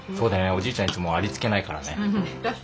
おじいちゃんいつもありつけないからね。